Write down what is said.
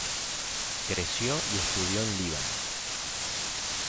Creció y estudió en Líbano.